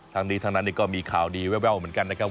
ทั้งนี้ทั้งนั้นก็มีข่าวดีแววเหมือนกันนะครับ